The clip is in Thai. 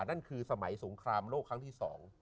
นั่นคือสมัยสงครามโลกครั้งที่๒